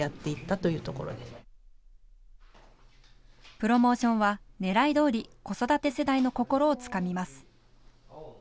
プロモーションはねらいどおり子育て世代の心をつかみます。